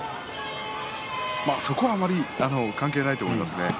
そこは、あまり関係ないと思います。